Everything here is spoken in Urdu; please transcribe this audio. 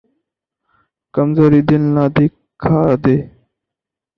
کمزوری دل نے دکھا دی۔